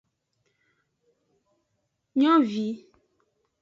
Nyovi.